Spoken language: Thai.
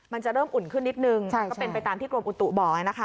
มันจะเริ่มอุ่นขึ้นนิดนึงก็เป็นไปตามที่กรมอุตุบอกนะคะ